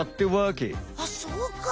あっそうか！